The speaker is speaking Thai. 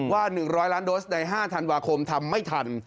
ว่า๑๐๐ล้านโดสใน๕ธันวาคมทำไม่ทัน